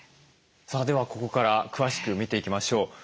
さあではここから詳しく見ていきましょう。